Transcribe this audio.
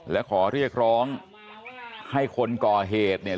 และขอเรียกร้องให้คนก่อเหตุเนี่ย